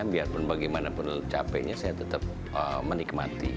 biarpun bagaimanapun capeknya saya tetap menikmati